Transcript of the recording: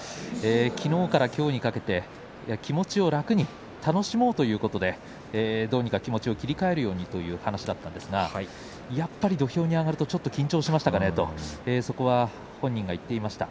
きのうから、きょうにかけて気持ちを楽に楽しもうということで気持ちを切り替えるということですがやっぱり土俵に上がると緊張しましたかねと本人が言っていました。